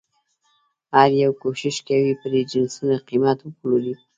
هر یو کوښښ کوي پرې جنسونه قیمته وپلوري.